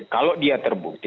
kalau dia terbukti